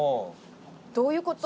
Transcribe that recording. どういうこと？